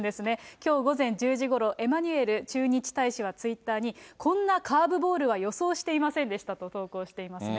きょう午前１０時ごろ、エマニュエル駐日大使がツイッターに、こんなカーブボールは予想していませんでしたと投稿していますね。